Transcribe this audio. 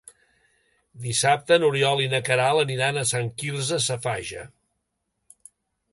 Dissabte n'Oriol i na Queralt aniran a Sant Quirze Safaja.